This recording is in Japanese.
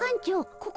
ここ